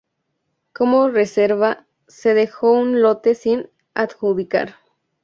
Como reserva se dejó un lote sin adjudicar.